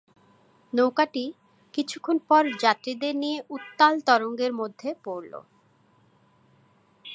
নৌকাটি কিছুক্ষণ পর যাত্রীদের নিয়ে উত্তাল তরঙ্গের মধ্যে পড়লো।